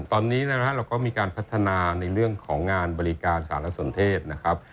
ตอนนี้นะครับเราก็มีการพัฒนาในเรื่องของงานบริการสารสนเทศนะครับ